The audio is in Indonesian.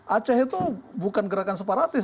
aceh itu bukan gerakan separatis